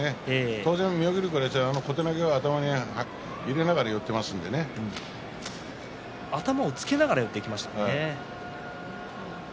当然、妙義龍からすれば小手投げか頭に入れながら頭をつけながら寄っていきましたね。